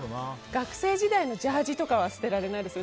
学生時代のジャージーとかは捨てられないです。